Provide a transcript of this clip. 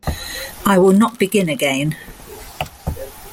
I will not begin again.